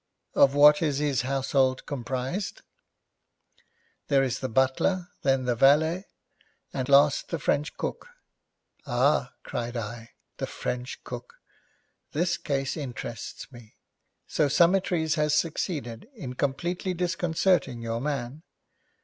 'Of what is his household comprised?' 'There is the butler, then the valet, and last, the French cook.' 'Ah,' cried I, 'the French cook! This case interests me. So Summertrees has succeeded in completely disconcerting your man?